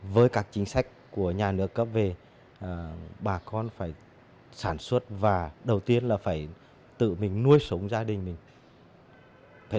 với các chính sách của nhà nước về bà con phải sản xuất và đầu tiên là phải tự mình nuôi sống gia đình mình